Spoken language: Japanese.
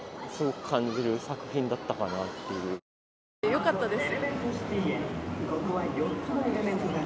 よかったです。